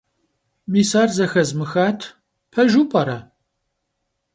Мис ар зэхэзмыхат. Пэжу пӏэрэ?